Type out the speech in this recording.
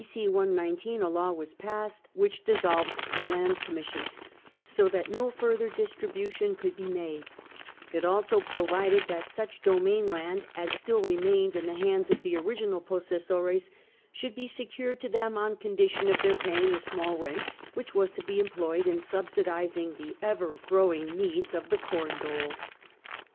c. 119 a law was passed which dissolved the Land Commission, so that no further distribution could be made ; it also provided that such domain land as still remained in the hands of the original possessores should be secured to them on condi tion of their paying a small rent, which was to be employed in subsidising the ever growing needs of the corn dole.